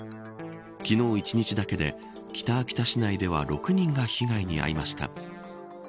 昨日一日だけで北秋田市内では６人が被害に遭いました。